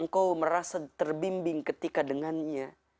engkau merasa terbimbing ketika dengannya